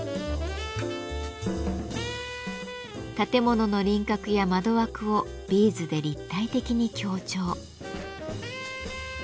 建物の輪郭や窓枠をビーズで立体的に強調。